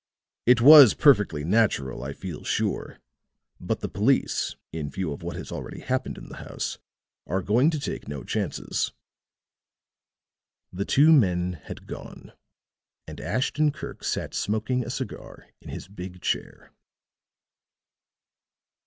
It was perfectly natural, I feel sure, but the police, in view of what has already happened in the house, are going to take no chances." The two men had gone, and Ashton Kirk sat smoking a cigar in his big chair.